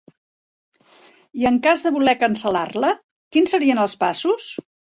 I en cas de voler cancel·lar-la quins serien els passos?